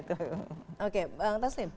oke bang taslim